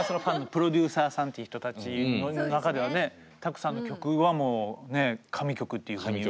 プロデューサーさんっていう人たちの中ではねＴＡＫＵさんの曲はもうね神曲っていうふうに。